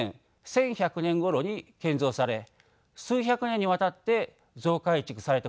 １１００年ごろに建造され数百年にわたって増改築されたことが分かったのです。